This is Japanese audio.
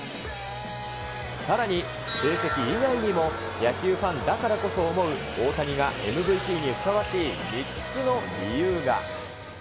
さらに、成績以外にも野球ファンだからこそ思う大谷がＭＶＰにふさわしい３つの理由が。